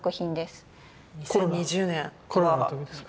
コロナの時ですか？